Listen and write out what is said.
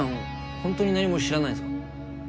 ホントに何も知らないんですか？